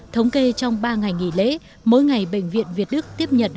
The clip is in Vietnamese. thống kê trong ba ngày nghỉ lễ mỗi ngày bệnh viện việt đức tiếp nhận